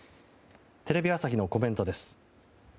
テレビ朝日のコメントです。